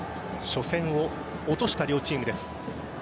初戦を落とした両チームです。